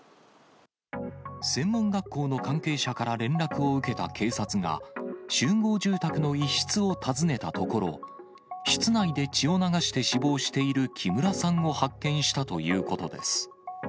専門学校の関係者から連絡を受けた警察が、集合住宅の一室を訪ねたところ、室内で血を流して死亡している木村さんを発見したということです。